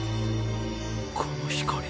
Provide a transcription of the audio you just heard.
この光。